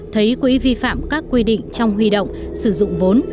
thấy quỹ vi phạm các quy định trong huy động sử dụng vốn